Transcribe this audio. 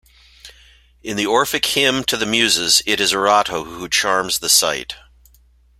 In the Orphic hymn to the Muses, it is Erato who charms the sight.